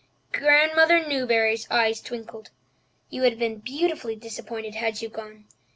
Grandmother Newbury's eyes twinkled. "You would have been beautifully disappointed had you gone.